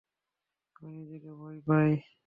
আমি নিজেকে ভয় পাই।